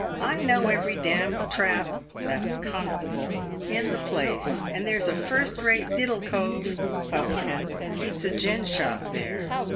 I know every d — d ' trap' — that's a constable — in the place. And there's a first rate ' diddle cove' (publican) keeps a gin shop there.